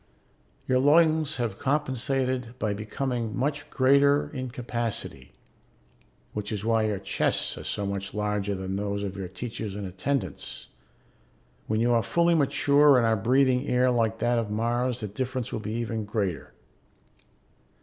Your lungs have compensated by becoming much greater in capacity, which is why your chests are so much larger than those of your teachers and attendants; when you are fully mature and are breathing air like that of Mars, the difference will be even greater.